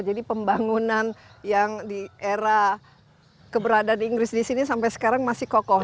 jadi pembangunan yang di era keberadaan inggris disini sampai sekarang masih kokoh